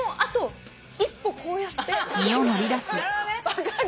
分かる？